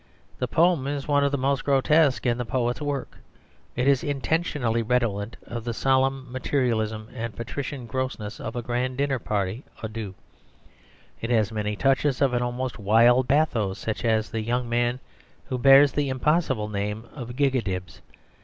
The poem is one of the most grotesque in the poet's works. It is intentionally redolent of the solemn materialism and patrician grossness of a grand dinner party à deux. It has many touches of an almost wild bathos, such as the young man who bears the impossible name of Gigadibs.